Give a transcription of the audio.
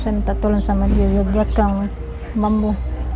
saya minta tolong sama dia buatkan bambu